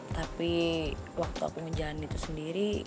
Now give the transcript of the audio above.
tapi waktu aku menjalani itu sendiri